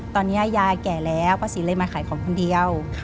ตอนนี้ยายแก่แล้วป้าศรีเลยมาขายของคนเดียว